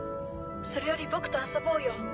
それより僕と遊ぼうよ。